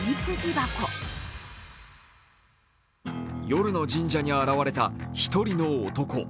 夜の神社に現れた１人の男。